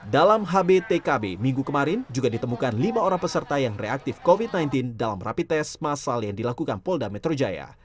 dalam hbtkb minggu kemarin juga ditemukan lima orang peserta yang reaktif covid sembilan belas dalam rapi tes masal yang dilakukan polda metro jaya